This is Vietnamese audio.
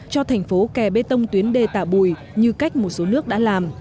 cho thành phố kè bê tông tuyến đê tả bùi như cách một số nước đã làm